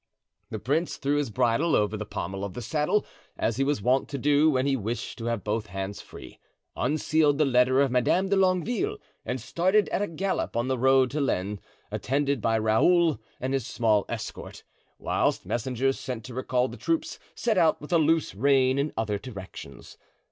The prince threw his bridle over the pommel of the saddle, as he was wont to do when he wished to have both hands free, unsealed the letter of Madame de Longueville and started at a gallop on the road to Lens, attended by Raoul and his small escort, whilst messengers sent to recall the troops set out with a loose rein in other directions.